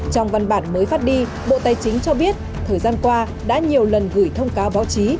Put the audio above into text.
trong văn bản mới phát đi bộ tài chính cho biết thời gian qua đã nhiều lần gửi thông cáo báo chí